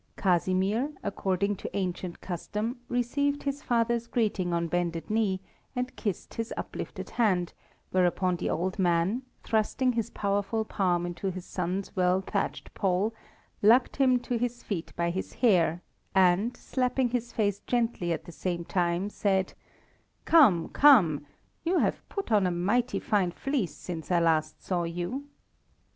Casimir, according to ancient custom, received his father's greeting on bended knee, and kissed his uplifted hand, whereupon the old man, thrusting his powerful palm into his son's well thatched poll, lugged him to his feet by his hair, and, slapping his face gently at the same time, said: "Come, come, you have put on a mighty fine fleece since last I saw you."